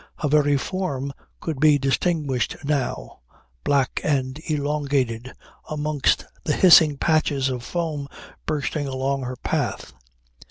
Her very form could be distinguished now black and elongated amongst the hissing patches of foam bursting along her path.